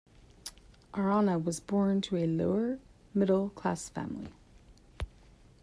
Arana was born to a lower-middle-class family.